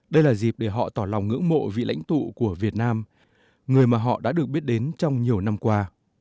đây là dịp để họ tỏ lòng ngưỡng mộ vị lãnh tụ của việt nam người mà họ đã được biết đến trong nhiều năm qua